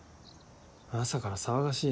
朝から騒がしいな。